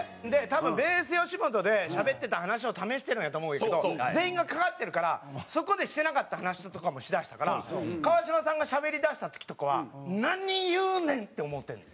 多分ｂａｓｅよしもとでしゃべってた話を試してるんやと思うんやけど全員がかかってるからそこでしてなかった話とかもしだしたから川島さんがしゃべりだした時とかは「何言うねん？」って思うてんの。